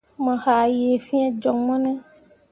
Mo haa yee fĩĩ joŋ mo ne ?